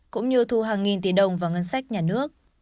cũng như thu hàng nghìn tỷ đồng vào ngân sách nhà nước